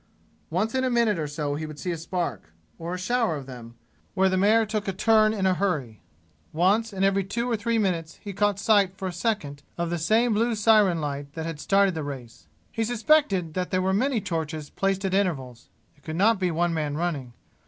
Once in a minute or so he would see a spark, or a shower of them, where the mare took a turn in a hurry. Once in every two or three minutes he caught sight for a second of the same blue siren light that had started the race. He suspected that there were many torches placed at intervals. It could not be one man running.